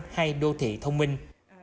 hay đô thị thông minh